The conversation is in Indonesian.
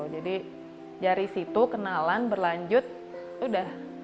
jadi dari situ kenalan berlanjut udah